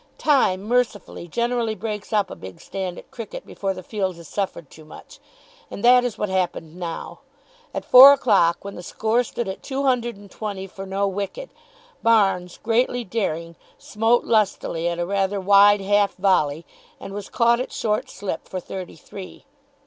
Time, mercifully, generally breaks up a big stand at cricket before the field has suffered too much, and that is what happened now. At four o'clock, when the score stood at two hundred and twenty for no wicket, Barnes, greatly daring, smote lustily at a rather wide half volley and was caught at short slip for thirty three.